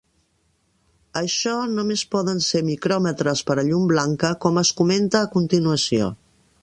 Això només poden ser micròmetres per a llum blanca, com es comenta a continuació.